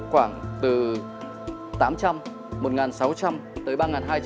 khoảng từ tám trăm linh một nghìn sáu trăm linh tới ba nghìn hai trăm linh